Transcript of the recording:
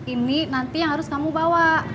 ini nanti yang harus kamu bawa